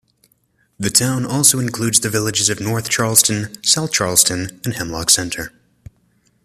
The town also includes the villages of North Charlestown, South Charlestown and Hemlock Center.